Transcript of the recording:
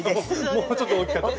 もうちょっと大きかったら。